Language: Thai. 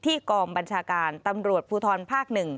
กองบัญชาการตำรวจภูทรภาค๑